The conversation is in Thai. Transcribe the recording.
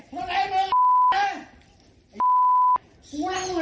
ขอบคุณพระเจ้า